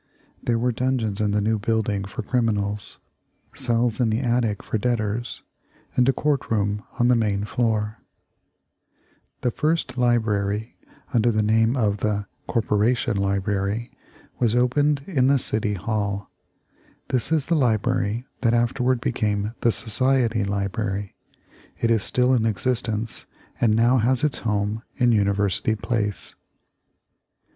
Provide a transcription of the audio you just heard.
There were dungeons in the new building for criminals, cells in the attic for debtors, and a court room on the main floor. [Illustration: New City Hall in Wall Street.] The first library, under the name of the Corporation Library, was opened in the City Hall. This is the library that afterward became the Society Library. It is still in existence, and now has its home in University Place.